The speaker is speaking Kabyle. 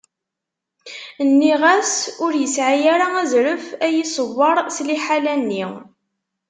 Nniɣ-as ur yesɛi ara azref ad iyi-iṣewwer s liḥala-nni.